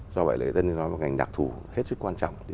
do vậy lễ tân như nói là một ngành đặc thù hết sức quan trọng